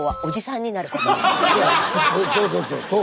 そうそうそうそう！